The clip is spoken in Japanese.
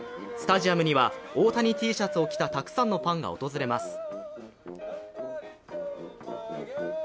スタジアムには大谷Ｔシャツを着たたくさんのファンが訪れます。